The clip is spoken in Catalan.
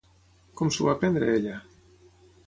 Com s'ho va prendre ella?